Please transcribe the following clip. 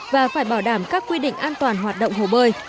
và phải bảo đảm các quy định an toàn hoạt động hồ bơi